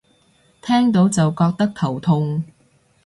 聽到就覺得頭痛